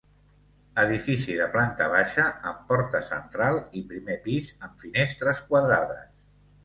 Edifici de planta baixa amb porta central i primer pis amb finestres quadrades.